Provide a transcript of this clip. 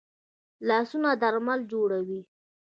لاسونه درمل جوړوي